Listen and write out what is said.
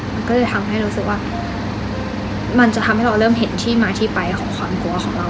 มันก็เลยทำให้รู้สึกว่ามันจะทำให้เราเริ่มเห็นที่มาที่ไปของความกลัวของเรา